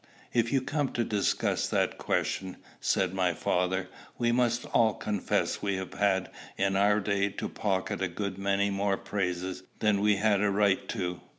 "If you come to discuss that question," said my father, "we must all confess we have had in our day to pocket a good many more praises than we had a right to.